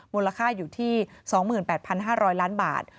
มูลค่าอยู่ที่๒๘๕๐๐ล้านบาท